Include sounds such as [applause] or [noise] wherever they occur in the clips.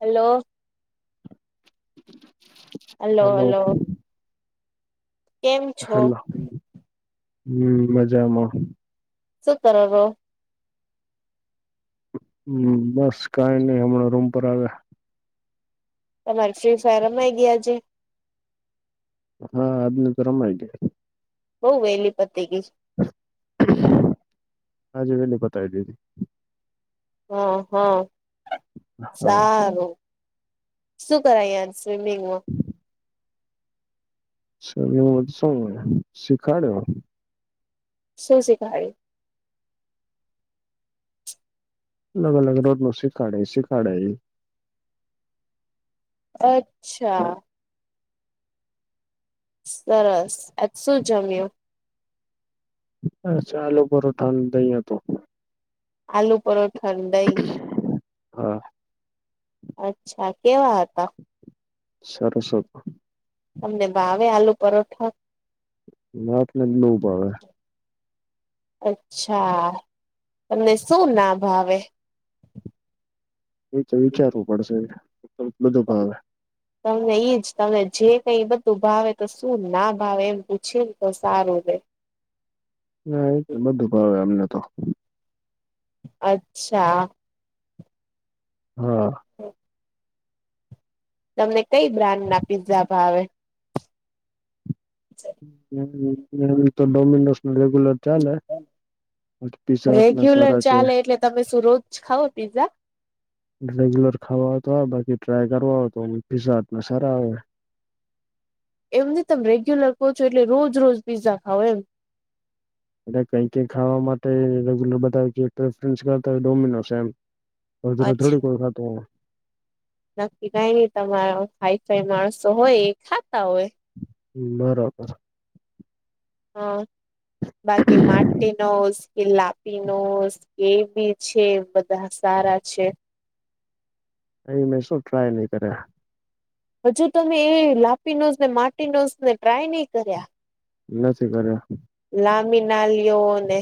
Hello. [inaudible] Hello hello. છો હાલો હમ મજામાં. શું કરો હો હમ બસ કાઈ નઈ હમણાં રૂમ પર આવ્યા. તમારી ફ્રી ફાયર રમાઈ ગયા જે હા આજ ન તો રમાઈ ગયા. બવ વેએલી પત ગઈ છે. હાજે મેને પતાય દીદી. હા હા હા સારું. શું કરાય જ સ્વિમિંગમાં સ્વિમિંગમાં સર હ શ શીખાડ્યો શું શિખાડી અલગ અલગ રોડ નું શીખાડાય શીખાડાય ઇ અચ્છા. સરસ આજ શું જમ્યું. હ ચાલો પરોઠા દઈ હતો. આલુ પરોઠા દઈ. હા. અચ્છા કેવા હતા. સરસ તમને ભાવે આલુ પરોઠા. ના આપને નવ ભાવે. અચ્છા તમને શું ના ભાવે. એ તો વિચારવું પડશે બધું ભાવે. તમને ઈજ તમને જે કઈ બધું ભાવે તો શું ના ભાવે એમ પૂછે ને તો સારું રહેે. ના એ જ બધું ભાવે એમને તો અચ્છા. હા. હા. તમને કઈ બ્રાન્ડ ના પીઝા ભાવે એમ તો ડોમિનોસ ન રેગ્યુલર ચાલે પીઝા હટ ના રેગ્યુલર સારા છે ચાલે એટલે તમે શું રોજ ખાવ પીઝઝા રેગ્યુલર ખાવા તો બાકી ટ્રાય કરવા તો પીઝાહટ મા સારા આવે. એમ નહી તમે રેગ્યુલર કહો છો એટલે રોજ રોજ પીઝા ખાવો એમ એટલે કઈ ક ખાવા માટે રેગ્યુલર બધા જે રેફરન્સ કરતા હોય ડોમિનો એમ. રોજ રોજ થોડી અચ્છા કોઈ ખાતો હ. નક્કી કાઈ નઈ તમારા હાઈફાઈ માણસો હોય એ ખાતા હોય. બરાબર. હા. બાકી માર્ટીનોસ કે લાપીનોસ કે બી છે. બધા સારા છે. અહી મેં શું ટ્રાય નહી કર્યા. હજુ તમે એ લાપીનોસ ને માર્ટીનોસ ને ટ્રાય નહી કર્યા. નથી કર્યો. લાંબી નાલીઓ ને.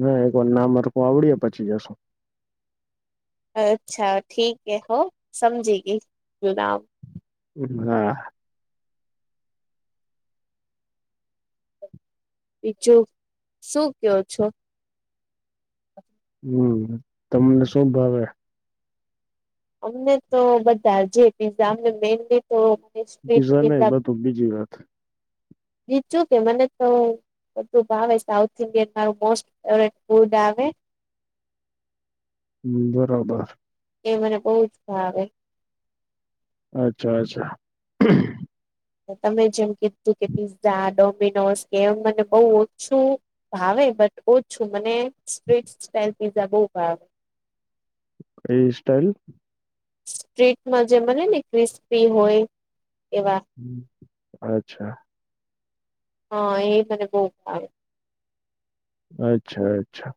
ના, એક વાર ના મારખું આવડી પછી જશું. અચ્છા ઠીકે હો સમજી ગી જુ નામ હમ [unintelligible] બીજું શું કયો છો? હમ તમને શું ભાવે. અમને તો બધા જે પીઝા અમને મેનલી તો પીઝા નહી બીજું બધું બીજી વાત કે મને તો બધું ભાવે, સાઉથ ઇન્ડિયન મારું મોસ્ટ ફેવરીટ ફૂડ આવે. બરોબર. એ મને બહુ જ ભાવે. અચ્છા, અચ્છા. તમે જેમ કીધું કે પિઝા, ડોમિનોસ કે એમ મને બહુ ઓછું ભાવે બટ ઓછું જ છું. મને સ્ટ્રીટ સ્ટોલ પીઝા બહુ ભાવે. એ સ્ટાઈલ સ્ટ્રીટમાં જે બને ને ક્રિસ્પી હોય એવા. હ, અચ્છા. હા, એ મને બહુ આવે. અચ્છા, અચ્છા.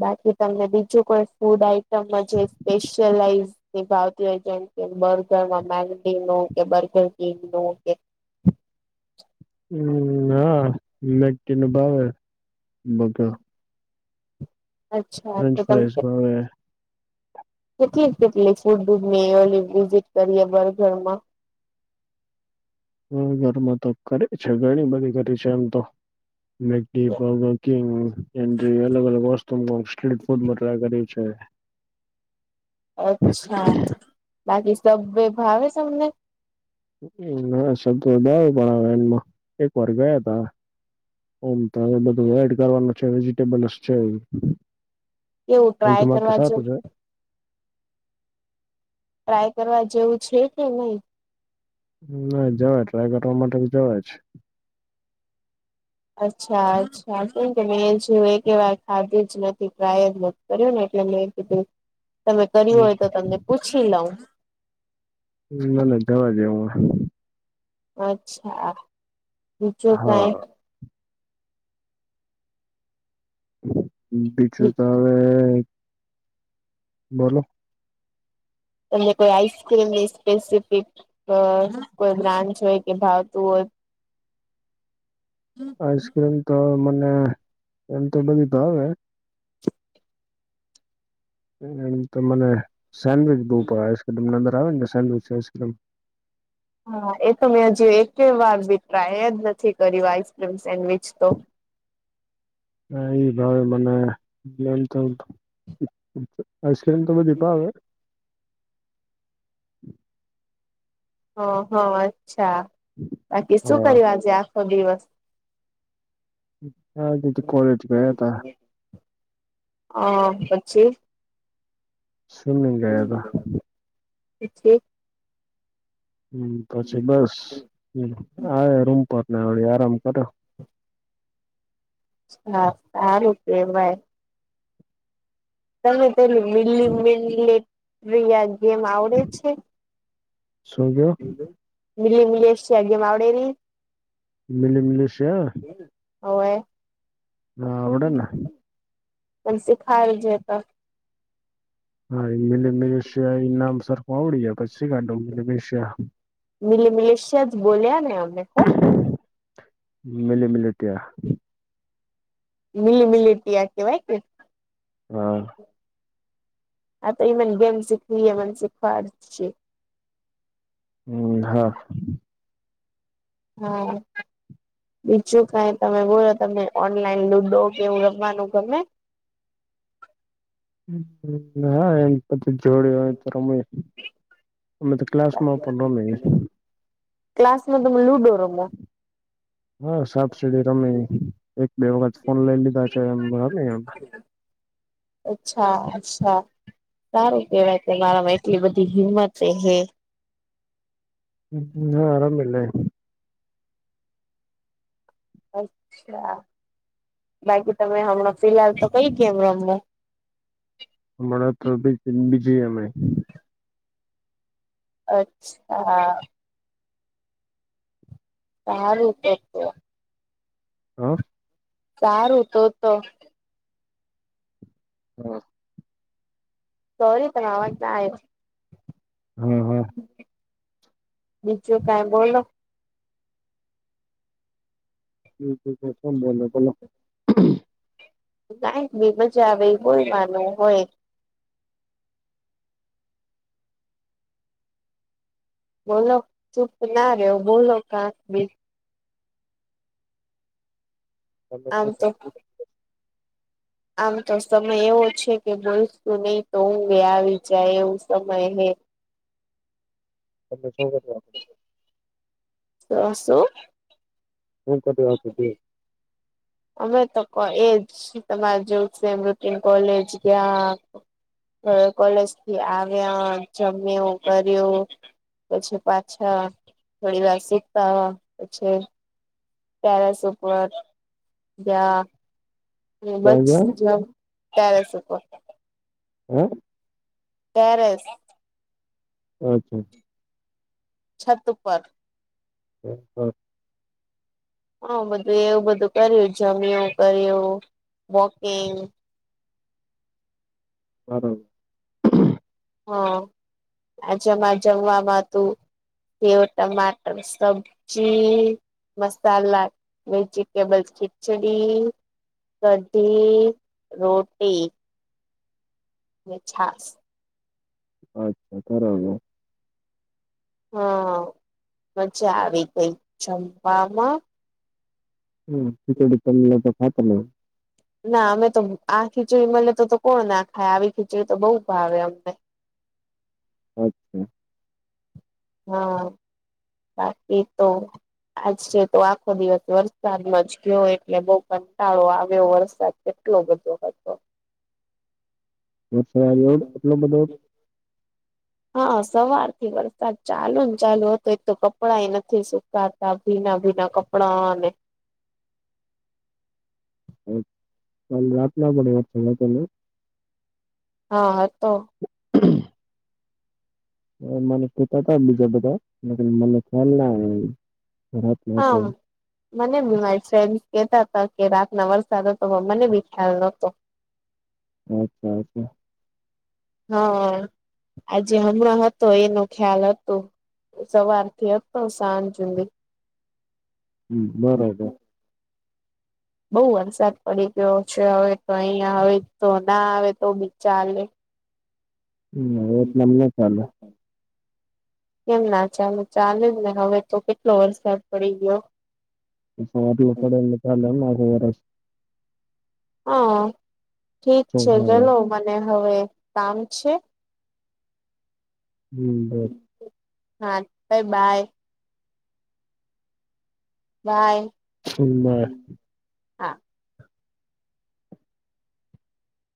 બાકી તમને બીજું કોઈ ફૂડ આઈટમ, જે સ્પેશિયલાઈઝ? ભાવતી હોય છે કે, બર્ગર મેગીનો કે બર્ગર, ચીઝ નું કે હમ, હા. મેકી ન ભાવે, બધો. અચ્છા ફ્રેન્ચ તો તમે ફ્રાઈઝ. કેટલી કેટલી ફૂડ વિઝિટ કરીએ, બર્ગર હા, ઘરમાં તો કરી છે. ઘણી બધી કરી છે, એમ તો. મેકડી, બર્ગર કિંગ, અલગ અલગ વસ્તુ. તે સ્ટ્રીટ ફૂડ ટ્રેડ કરે છે. અચ્છા, ના બાકી સૌ બે ભાવે તમને? હ, શબ્દ પણ આવે. એનામાં એક વાર ગયા હતા. એમ તો બધું એડ કરવાનું છે. વેજીટેબલસ છે. કેવું એ તો ટ્રાય માટે કરવા સૂપ જેવું છે. ટ્રાય કરવા જેવું છે કે નહીં? ના, જવા ટ્રાય કરવા માટે તો જવાય જ. અચ્છા, અચ્છા. કે મેં જેવું એક એવાર ખાધું જ નથી, ટ્રાય જ નથી. કર્યું ને, એટલે મેં કીધું, તમે કર્યું હોય તો તમને પૂછી લઉં. ના, ના. જવા જાવ હે. અચ્છા, ઓછો હા કંઈ. બીજું તો હવે બોલો. તમને કોઈ આઈસક્રીમની સ્પેસિફિક કોઈ બ્રાન્ડ હોય કે ભાવતું હોય? આઈસ્ક્રીમ તો મને એમ તો બધી ભાવે. એમ તો મને સેન્ડવીચ બહુ પડે. આઈસક્રીમ એમની અંદર આવે ને, સેન્ડવીચ આઈસક્રીમ. હા, એ તો મેં હજી એક વાર બી ટ્રાય જ નથી કર્યું, આઈસક્રીમ સેન્ડવીચ તો [unintelligible] આઈસક્રીમ તો દીપ આવે. હ, હ. અચ્છા, બાકી શું હા કરવાજે આખો દિવસ? હા, આજે તો કોલેજ ગયા હતા. હા, પછી? સ્વિમિંગ ગયા હતા જ. હમ, પછી બસ આવે રૂમ પર ને, આરામ કરો. હા, સારું કહેવાય. તને પેલું મીલી મીલીટીયા ગેમ આવડે છે? શું કેવ? મિલી મિલેશ છે, આવડે ની? મિલી મિલી છે. [unintelligible] હોવે. હા અવડે ના પણ સીખાયે જે તો હા મીલી મિલીશિયા એ નામ સરખું આવડી ગયાં પછી શિખાડી દઉં મિલિસિયા મિલી મિલેશીયા જ બોલ્યા ને અમે હો મિલી મિલેટીયા મીલી મીલેટીયા કહેવાય કે હા આ તો એમજ ગેમ સીખવી હે મન સીખવાડજે હમ હા હા બીજું કઈ તમે બોલો તમને ઓનલાઈન લુડો કેવું રમવાનું ગમે? હા એમ પછી જોડે હોય તો રમીએ અમે તો ક્લાસમાં પન રમી ક્લાસમાં લુડો ર હા સાપ સીડી રમે એક બે વખત ફોન લઈ લીધા છે [unintelligible] અચ્છા અચ્છા સારું કેવાય કે તમારામાં એટલી બધી હિંમત તે હે હ હા રમી લેય અચ્છા બાકી તમે હમણાં ફિલહાલ તો કઈ ગેમ રમો? હમણાં તો બીજીએમઆઈ અચ્છા હા હારું તો તો હા સારું તો તો હમ સોરી તમાર અવાજ ના આયો હમ બીજું કઈ બોલો બીજું તો શું બોલે બોલો કઈ બી મજા આવે કોઈ માનું હોય બોલો ચૂપ ના રયો બોલો કાંક બી તમે શુ આમ કરો તો છો? આમ તો સમય એવો છે કે બોલશું નહી તો ઊઘે આવી જાય એવું સમય હે તમે શું કરો? અ સુ [unintelligible] [inaudible] અમે તો એજ તમારે જોવુંજ રૂટીન કોલેજ ગયા કોલેજ થી આવ્યા જમ્યો કર્યું પછી પાછા થોડી વાર સુતા પછી ટેરેસ ઉપર ગયા હમ ક્યાં બસ ગયા [unintelligible] ટેરેસ ઉપર હમ ટેરેસ અચ્છા છત ઉપર હ હમ હમ બધું એવું બધું કર્યું જમિંયુ કર્યું વોકિંગ બરોબર. હા આજમાં જમવાવામાં તો સેક ટમાટર સબ્જી મસાલા વેજીિટેબલ ખીચડી કઢી, રોટલી છાસ. અચ્છા તોબો. [unintelligible] હા મજા આવી ગઈ જમવામાં. ખીચડી કદી તમ તો ખાત ન. ના અમે તો આ ખીચડી મળને તો કોણ ના ખાય આવી ખીચડી તો બઉુ ભાવે અમને. અચ્છા. હમ્મ બાકી તો આજ છે તો આખો દિવસ વરસાદમાં જ ગયો એટલે બઉ કંટાળો આવ્યો વરસાદ કેટલો બધો હતો. ડ એટલો બધો [inaudible] હા સવારથી વરસાદ ચાલુ ને ચાલુ હતો એ તો કપડાંય નથી સુકાયા. કાતા ભીના ભીના કપડા અને કાલ રાત લડે વાત ત હા હા તો. હમ્મ. મને થતા હતા બીજા બધા મને ખ્યાલ ના હતો. રાતનો હા. મને બી મારી ફ્રેન્ડ કેતા હતા કે રાતના વરસાદ હતો પણ મને બી ખ્યાલ નતો. અચ્છા અચ્છા. હા આજે હમણાં હતો એનો ખ્યાલ હતો. સવારથી હતો સાંજ સુધી. હમ્મ બરોબર. બઉુ વરસાદ પડી ગયો છે હવે તો અહીયાં આવે તો ના આવે તો બી ચાલે. હ એ તો તમને ચાલે. કેમ ના ચાાલ ચાલે જ ને હવે તો કેટલો વરસાદ પડી ગયો. આટલો પડે એટલે ચાલે એમ. હા ઠીક તો છે હા. ચલો મને હવે કામ છે. હમ્મ. હા બાય-બાય. બાય. હમ્મ બાય. હા